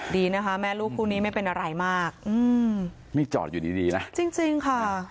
ดีนะคะแม่ลูกคู่นี้ไม่เป็นอะไรมากอืมนี่จอดอยู่ดีดีนะจริงจริงค่ะ